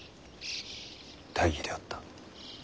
大儀であった。